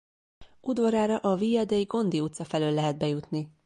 Udvarára a Via dei Gondi utca felől lehet bejutni.